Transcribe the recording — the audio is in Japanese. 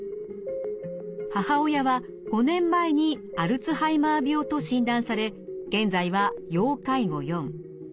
母親は５年前にアルツハイマー病と診断され現在は要介護４。